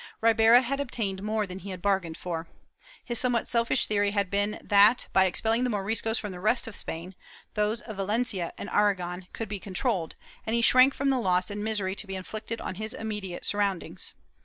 Ribera had obtained more than he had bargained for. His somewhat selfish theory had been that, by expeUing the Moriscos from the rest of Spain, those of Valencia and Aragon could be controlled, and he shrank from the loss and misery to be inflicted on his immediate surroundings.